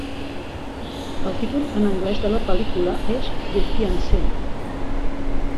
El títol en anglès de la pel·lícula és The Fiancee.